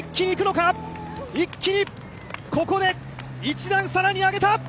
一気に、ここで１段更に上げた。